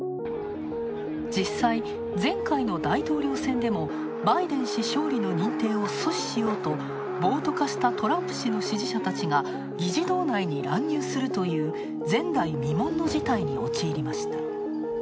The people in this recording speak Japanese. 実際、前回の大統領選でもバイデン氏勝利の認定を阻止しようと暴徒化したトランプ氏の支持者たちが、議事堂内に乱入するという前代未聞の事態に陥りました。